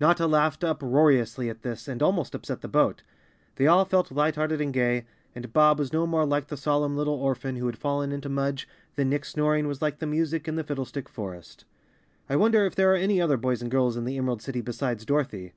Notta laughed uproariously at this and almost upset the boat. They all felt light hearted and gay, and Bob was no more like the solemn little orphan who had fallen into Mudge than Nick's snoring was like the music in the Fiddle¬ stick Forest. "I wonder if there are any other boys and girls in the Emerald City besides Dorothy?"